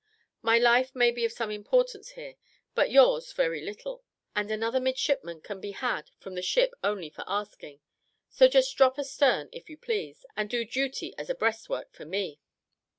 My life may be of some importance here; but yours very little, and another midshipman can be had from the ship only for asking: so just drop astern, if you please, and do duty as a breastwork for me!"